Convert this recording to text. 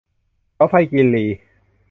เสาไฟกินรี